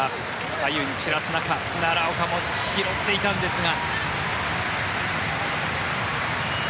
左右に散らす中奈良岡も拾っていたんですが。